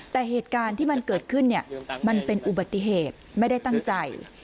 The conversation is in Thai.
แต่เหตุการณ์ที่มันเกิดขึ้นเนี่ยมันเป็นอุบัติเหตุไม่ได้ตั้งใจ